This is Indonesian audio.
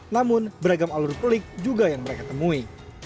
namun beragam alur pelik juga yang mereka temui